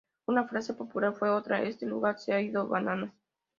Una frase popular fue otra "este lugar se ha ido bananas!